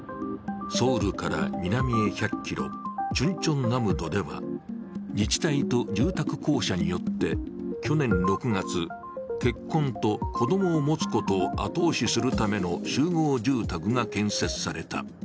ソウルから南へ１００ｋｍチュンチョンナムドでは自治体と住宅公社によって去年６月結婚と子供を持つことを後押しするための集合住宅が建設された。